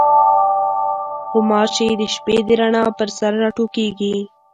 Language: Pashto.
غوماشې د شپې د رڼا پر سر راټولېږي.